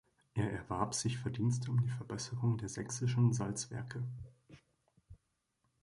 Er erwarb sich Verdienste um die Verbesserung der sächsischen Salzwerke.